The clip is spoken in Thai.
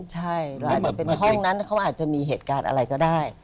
ใช่เราอาจจะเป็นห้องนั้นเขาอาจจะมีเหตุการณ์อะไรก็ได้